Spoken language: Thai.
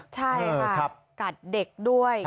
ใช่ค่ะกัดเด็กด้วย